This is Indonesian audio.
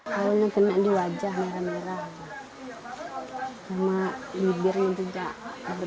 kalau ini kena di wajah merah merah sama bibirnya juga